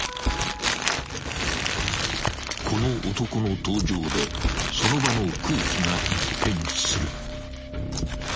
［この男の登場でその場の空気が一変する］